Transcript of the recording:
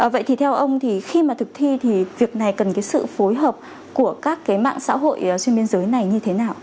vậy thì theo ông thì khi mà thực thi thì việc này cần cái sự phối hợp của các cái mạng xã hội xuyên biên giới này như thế nào